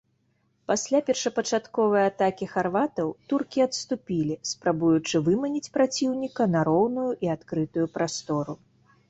Пасля першапачатковай атакі харватаў, туркі адступілі, спрабуючы выманіць праціўніка на роўную і адкрытую прастору.